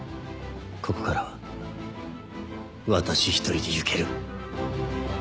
ここからは私一人でゆける。